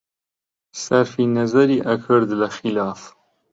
سەرفی نەزەری ئەکرد لە خیلاف